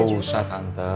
gak usah tante